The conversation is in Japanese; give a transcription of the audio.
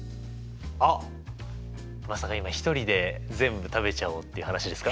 あっまさか今１人で全部食べちゃおうって話ですか？